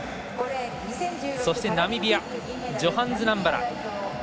ナミビアジョハンズ・ナンバラ。